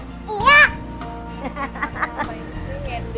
hati hati jangan lari